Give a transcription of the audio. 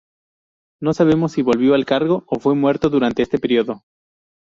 No sabemos si volvió al cargo o fue muerto durante este periodo.